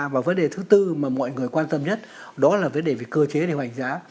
và vấn đề thứ tư mà mọi người quan tâm nhất đó là vấn đề về cơ chế điều hành giá